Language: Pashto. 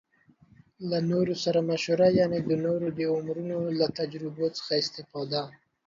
له نورو سره مشوره يعنې د نورو د عمرونو له تجربو څخه استفاده